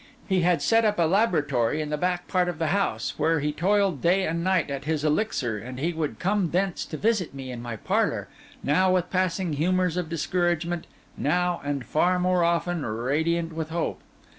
He had set up a laboratory in the back part of the house, where he toiled day and night at his elixir, and he would come thence to visit me in my parlour: now with passing humours of discouragement; now, and far more often, radiant with hope.